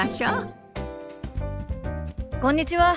こんにちは。